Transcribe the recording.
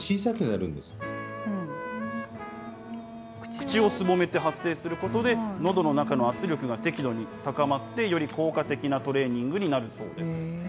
口をすぼめて発声することで、のどの中の圧力が適度に高まって、より効果的なトレーニングになるそうです。